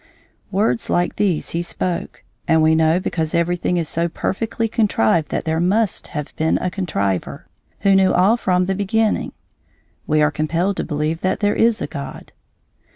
Words like these he spoke, and we know because everything is so perfectly contrived that there must have been a contriver, who knew all from the beginning. We are compelled to believe that there is a God.